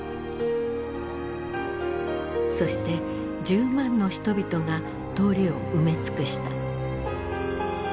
そして１０万の人々が通りを埋め尽くした。